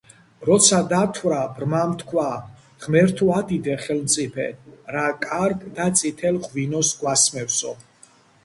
როცა დათვრა, ბრმამ თქვა: ღმერთო, ადიდე ხელმწიფე, რა კარგ და წითელ ღვინოს გვასმევსო!